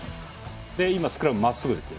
今スクラムまっすぐですよね。